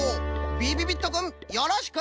びびびっとくんよろしく。